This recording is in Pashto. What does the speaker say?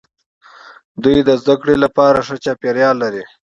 دوی د زده کړې لپاره ښه چاپیریال لري.